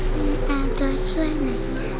คุณแม่ตัวช่วยไหน